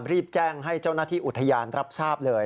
รีบแจ้งให้เจ้าหน้าที่อุทยานรับทราบเลย